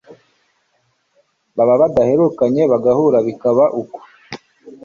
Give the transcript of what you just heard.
baba badaherukanye bagahura bikaba uko,